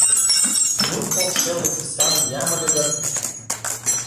Нур покшел писан лиям ыле гын